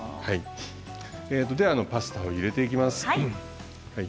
ではパスタを入れていきます。